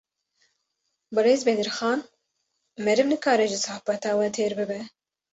Birêz Bedirxan, meriv nikare ji sohbeta we têr bibe